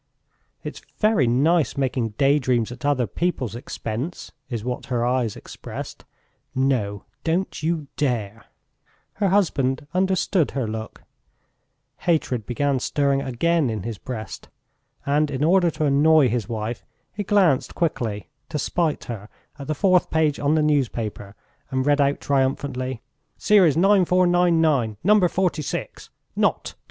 "It's very nice making daydreams at other people's expense!" is what her eyes expressed. "No, don't you dare!" Her husband understood her look; hatred began stirring again in his breast, and in order to annoy his wife he glanced quickly, to spite her at the fourth page on the newspaper and read out triumphantly: "Series 9,499, number 46! Not 26!"